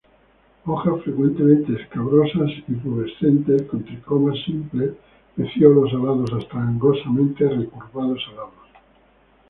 Hojas frecuentemente escabrosas y pubescentes con tricomas simples; pecíolos alados hasta angostamente recurvado-alados.